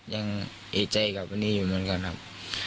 ยังเอกใจกับวันนี้อยู่เหมือนกันครับ